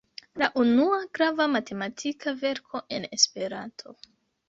La unua grava matematika verko en Esperanto.